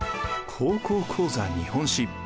「高校講座日本史」。